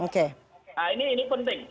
nah ini penting